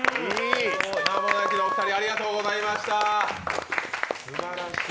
なもなきのお二人ありがとうございました。